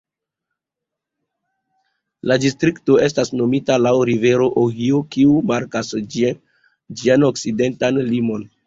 La distrikto estas nomita laŭ rivero Ohio, kiu markas ĝian okcidentan limon.